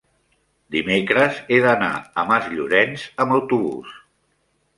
dimecres he d'anar a Masllorenç amb autobús.